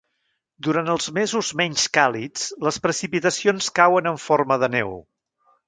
Durant els mesos menys càlids les precipitacions cauen en forma de neu.